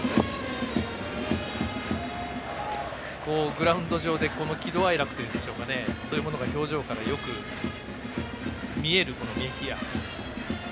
グラウンド上で喜怒哀楽といいますかそういうものが表情からよく見えるメヒア。